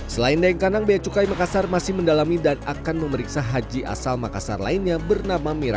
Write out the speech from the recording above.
selain daingkanang beacukai makassar masih mendalami dan akan memeriksa haji asal makassar